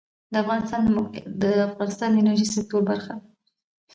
د افغانستان د موقعیت د افغانستان د انرژۍ سکتور برخه ده.